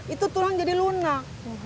itu tulang jadi lunak